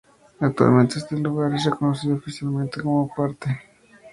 Actualmente este lugar es reconocido oficialmente como parte de la constelación de Monoceros.